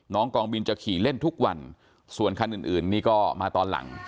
กองบินจะขี่เล่นทุกวันส่วนคันอื่นอื่นนี่ก็มาตอนหลัง